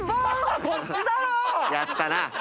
やったな。